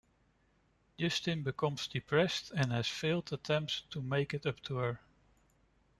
Justin becomes depressed and has failed attempts to make it up to her.